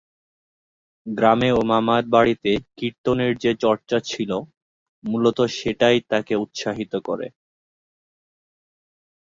গ্রামে ও মামার বাড়িতে কীর্তনের যে চর্চা ছিল, মূলত সেটাই তাকে উৎসাহিত করে।